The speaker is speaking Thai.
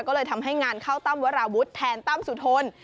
ก็เลยทำให้งานเข้าตั้มวราวุฒิแทนตั้มสุทน